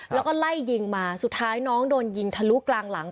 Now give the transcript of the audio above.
แล้วก็ไล่ยิงมาสุดท้ายน้องโดนยิงทะลุกลางหลัง